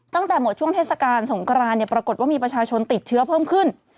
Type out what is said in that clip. ตั้งแต่หมดช่วงเทศกาลสงกรานเนี่ยปรากฏว่ามีประชาชนติดเชื้อเพิ่มขึ้น